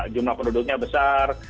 jumlah penduduknya besar